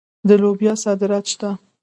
د لوبیا صادرات شته.